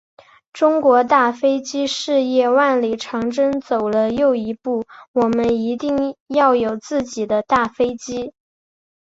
中国大飞机事业万里长征走了又一步，我们一定要有自己的大飞机。